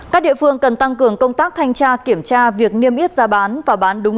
các địa phương cần tăng cường công tác thanh tra kiểm tra việc niêm yết giá bán và bán đúng